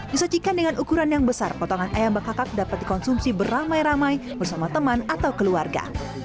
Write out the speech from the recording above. disajikan dengan ukuran yang besar potongan ayam bekakak dapat dikonsumsi beramai ramai bersama teman atau keluarga